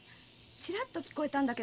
チラッと聞こえたんだけど